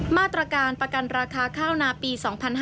มาตรการประกันราคาข้าวนาปี๒๕๕๙